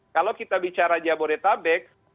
kalau kita bicara jabodetabek